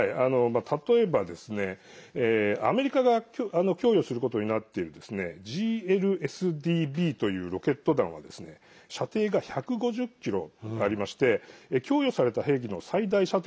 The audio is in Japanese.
例えばアメリカが供与することになっている「ＧＬＳＤＢ」というロケット弾は射程が１５０ｋｍありまして供与された兵器の最大射程